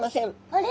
あれ？